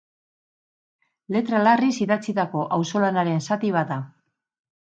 Letra larriz idatzitako auzolanaren zati bat da.